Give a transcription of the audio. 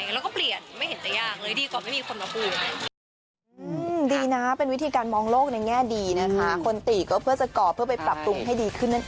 แล้วก็เปลี่ยนไม่เห็นจะยากเลยดีกว่าไม่มีคนมาพูด